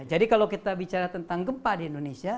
jadi kalau kita bicara tentang gempa di indonesia